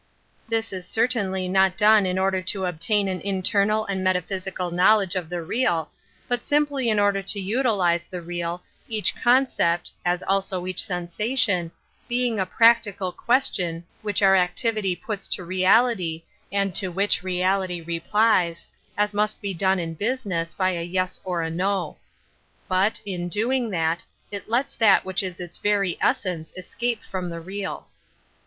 This is certainly not done in order to obtain an internal and meta physical knowledge of the real, but simply in order to utilize the real, each concept (as also each sensation) being a practical question which our activity puts to reality and to which reality replies, as must be done in business, by a Yes or a No. But, in doing that, it lets that Metaphysics 67 which is its very essence escape from the real.